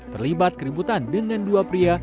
terlibat keributan dengan dua pria